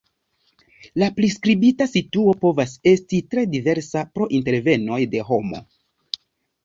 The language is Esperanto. La priskribita situo povas esti tre diversa pro intervenoj de homo.